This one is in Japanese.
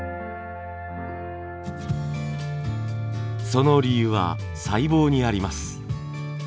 その理由は細胞にあります。